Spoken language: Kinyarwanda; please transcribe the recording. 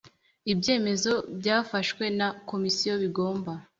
Ibyemezo byafashwe na Komisiyo bigomba